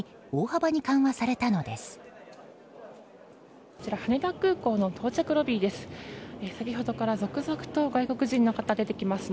羽田空港の到着ロビーです。